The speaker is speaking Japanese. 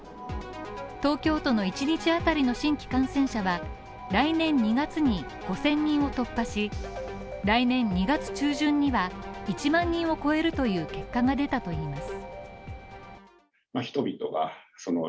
東京都の１日あたりの新規感染者は、来年２月に５０００人を突破し、来年２月中旬には１万人を超えるという結果が出たといいます。